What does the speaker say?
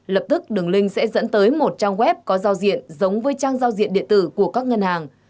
lập tức đường link sẽ dẫn tới một trang web có giao diện giống với trang giao diện điện tử của các ngân hàng